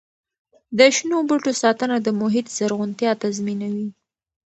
د شنو بوټو ساتنه د محیط زرغونتیا تضمینوي.